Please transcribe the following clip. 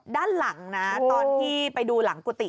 ด้านหลังนะตอนที่ไปดูหลังกุฏิ